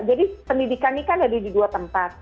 jadi pendidikan ini kan ada di dua tempat